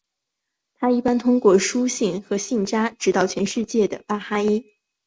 它一般通过书信和信札指导全世界的巴哈伊。